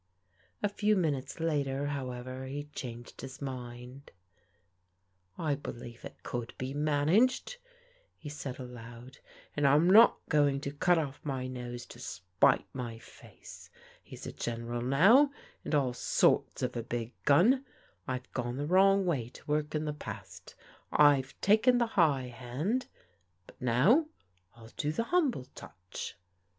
A few minutes later, however, he changed his mind. " I believe it could be managed," he said aloud, " and I'm not going to cut off my nose to spite my face. He's a General now, and all sorts of a big gun. I've gone the wrong way to work in the past. I've taken the high hand, but now, I'll do the humble touch."